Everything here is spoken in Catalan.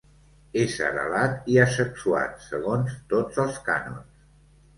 Ésser alat i asexuat, segons tots els cànons.